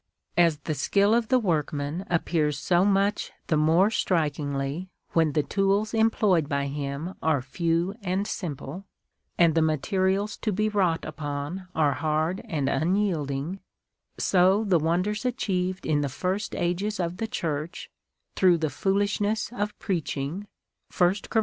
As the skill of the workman appears so much the more strikingly, when the tools employed by him are few and simple, and the materials to be wrought upon are hard and unyielding ; so the wonders achieved in the first ages of the Church, through the foolishness of preaching, (1 Cor.